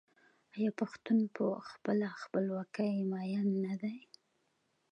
آیا پښتون په خپله خپلواکۍ مین نه دی؟